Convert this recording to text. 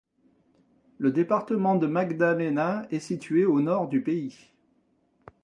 Le département de Magdalena est situé au nord du pays.